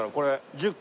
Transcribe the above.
１０個。